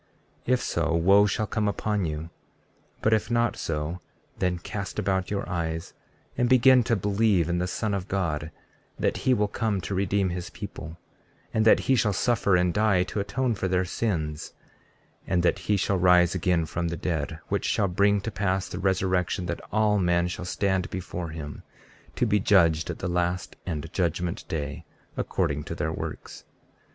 33:22 If so, wo shall come upon you; but if not so, then cast about your eyes and begin to believe in the Son of God, that he will come to redeem his people, and that he shall suffer and die to atone for their sins; and that he shall rise again from the dead, which shall bring to pass the resurrection, that all men shall stand before him, to be judged at the last and judgment day, according to their works.